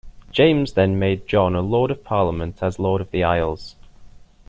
James then made John a Lord of Parliament as Lord of the Isles.